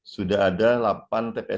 sudah ada delapan tpa